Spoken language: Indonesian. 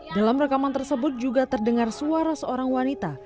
dalam rekaman tersebut juga terdengar suara seorang wanita